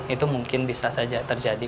itu mungkin bisa saja terjadi